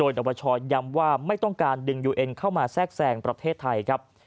โดยนวชย้ำว่าไม่ต้องการดึงยูเอ็นเข้ามาแทรกแซงประเทศไทยครับ